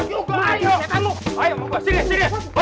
udah keluar kali ini